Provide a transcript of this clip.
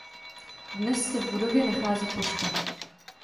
Dnes se v budově nachází pošta.